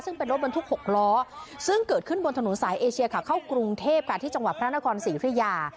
ซึ่งเป็นรถบรรทุก๖ล้อซึ่งเกิดขึ้นบนถนนสายเอเชียขาเข้ากรุงเทพค่ะที่จังหวัดพระนครศรีธุริยา